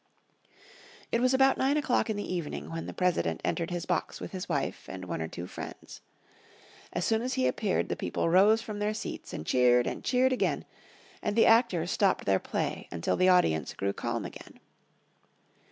It was about nine o'clock in the evening when the President entered his box with his wife and one or two friends. As soon as he appeared the people rose from their seats and cheered and cheered again, and the actors stopped their play until the audience grew calm again.